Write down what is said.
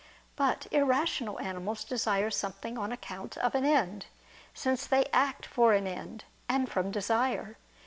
But irrational animals desire something on account of an end: since they act for an end, and from desire.